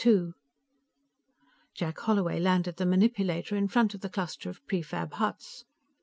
II Jack Holloway landed the manipulator in front of the cluster of prefab huts.